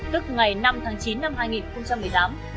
tức ngày năm tháng chín năm hai nghìn một mươi tám